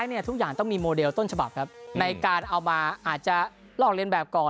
ทุกอย่างต้องมีโมเดลต้นฉบับครับในการเอามาอาจจะลอกเรียนแบบก่อน